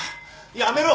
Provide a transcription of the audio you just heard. やめろ！